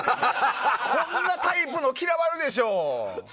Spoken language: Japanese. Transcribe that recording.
こんなタイプの嫌われるでしょ！